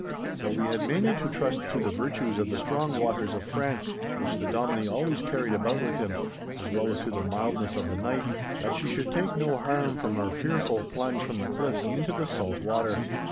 But we had mainly to trust to the virtues of the strong waters of France, which the Dominie always carried about with him, as well as to the mildness of the night, that she should take no harm from her fearful plunge from the cliffs into the salt water.